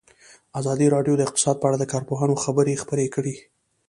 ازادي راډیو د اقتصاد په اړه د کارپوهانو خبرې خپرې کړي.